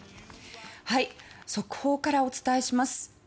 速報からお伝えします。